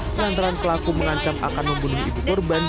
selantaran pelaku mengancam akan membunuh ibu korban